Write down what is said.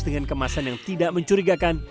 dengan kemasan yang tidak mencurigakan